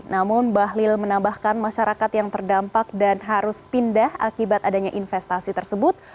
namun bahlil menambahkan masyarakat yang terdampak dan harus pindah akibat adanya investasi tersebut